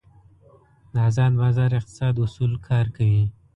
د ازاد بازار اقتصاد اصول کار کوي.